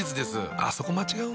あっそこ間違うんだ。